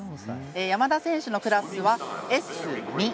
山田選手のクラスはＳ２。